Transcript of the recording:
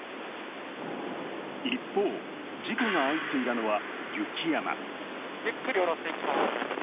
一方、事故が相次いだのは雪山。